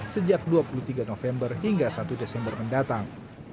sejak dua puluh tiga november hingga satu desember mendatang